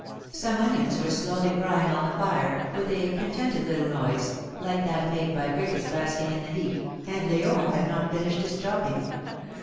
Some onions were slowly frying on the fire, with a con tented little noise, like that made by crickets basking in the heat, and Leon had not finished his chopping.